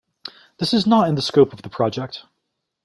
This is not in the scope of the project.